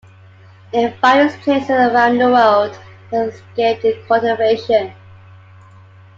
In various places around the world, it has escaped cultivation.